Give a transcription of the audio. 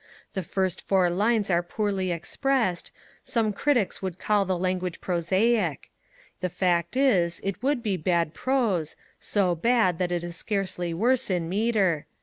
The first four lines are poorly expressed, some Critics would call the language prosaic; the fact is, it would be bad prose, so bad, that it is scarcely worse in metre.